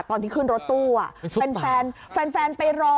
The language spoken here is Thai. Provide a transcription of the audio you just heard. ตอนที่ขึ้นรถตู้แฟนไปรอ